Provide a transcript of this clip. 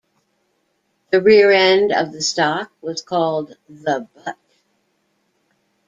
The rear end of the stock was called the butt.